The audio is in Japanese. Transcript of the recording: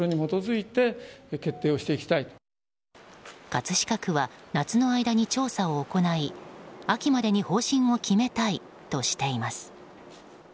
葛飾区は夏の間に調査を行い秋までに方針を決めたいとしています。